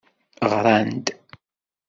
Ɣran-d.